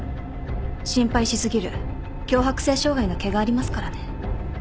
心配し過ぎる強迫性障害の気がありますからね。